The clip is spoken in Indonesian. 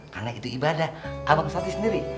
karena itu ibadah abang santi sendiri